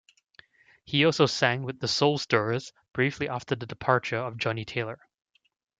He also sang with The Soul Stirrers briefly after the departure of Johnnie Taylor.